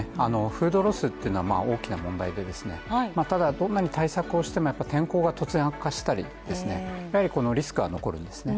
フードロスっていうのは大きな問題でただどんなに対策をしても天候が突然悪化したりリスクは残るんですね。